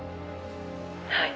「はい」